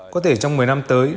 có thể trong một mươi năm tới